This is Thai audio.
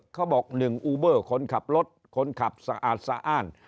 เขาบอก๑อูเบอร์คนขับรถคนขับสะอาดสะอ้าน